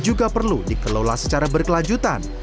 yang juga perlu dikelola secara berkelanjutan